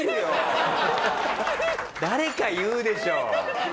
誰か言うでしょ！